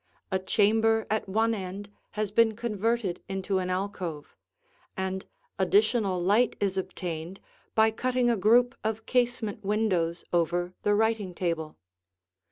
A chamber at one end has been converted into an alcove, and additional light is obtained by cutting a group of casement windows over the writing table.